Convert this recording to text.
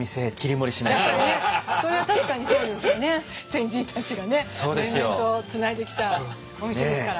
先人たちがね連綿とつないできたお店ですから。